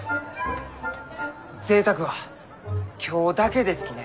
ぜいたくは今日だけですきね。